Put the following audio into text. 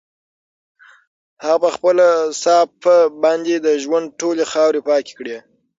هغه په خپله صافه باندې د ژوند ټولې خاورې پاکې کړې.